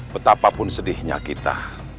betapapun sedihnya kita